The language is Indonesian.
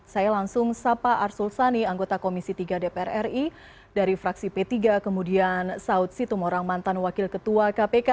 saya langsung sapa arsul sani anggota komisi tiga dpr ri dari fraksi p tiga kemudian saud situmorang mantan wakil ketua kpk